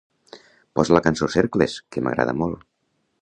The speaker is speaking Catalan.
Posa la cançó "Cercles", que m'agrada molt.